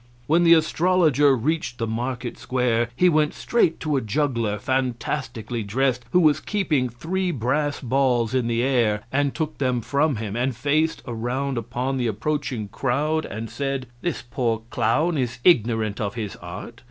When the astrologer reached the market square he went straight to a juggler, fantastically dressed, who was keeping three brass balls in the air, and took them from him and faced around upon the approaching crowd and said: "This poor clown is ignorant of his art.